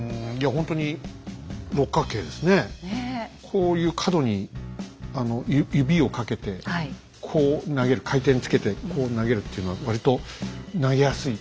こういう角に指をかけてこう投げる回転つけてこう投げるっていうのは割と投げやすい。